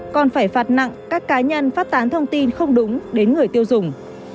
còn phải phạt nặng các cá nhân phát tán thông tin không đúng đến người tiêu dùng